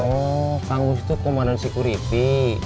oh kang wustuk komandan security